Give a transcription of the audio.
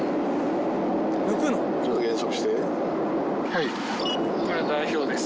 はい。